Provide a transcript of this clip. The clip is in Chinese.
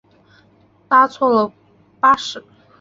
搭错了巴士